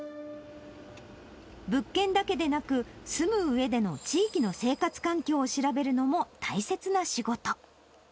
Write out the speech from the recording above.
物件だけでなく、住むうえでの地域の生活環境を調べるのも大切な仕事。